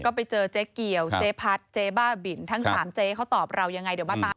ก็ไปเจอเจ๊เกี่ยวเจ๊พัดเจ๊บ้าบินทั้งสามเจ๊เขาตอบเรายังไงเดี๋ยวมาตาม